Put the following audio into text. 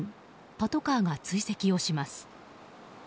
パトカーが追跡をします。